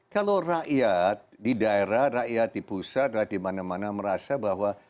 kalau rakyat di daerah rakyat di pusat di mana mana merasa bahwa